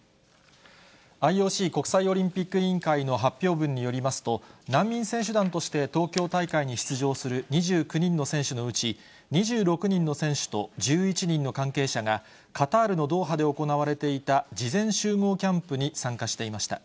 ＩＯＣ・国際オリンピック委員会の発表文によりますと、難民選手団として東京大会に出場する２９人の選手のうち、２６人の選手と１１人の関係者が、カタールのドーハで行われていた事前集合キャンプに参加していました。